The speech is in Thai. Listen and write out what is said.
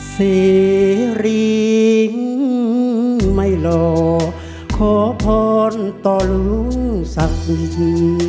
เสรียงไม่หล่อขอพ้นต่อลุงสักนิด